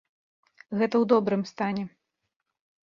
Гэта ў добрым стане.